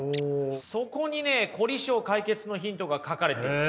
そこにね凝り性解決のヒントが書かれています。